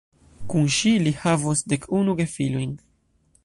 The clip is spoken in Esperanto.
Kun ŝi li havos dek unu gefilojn.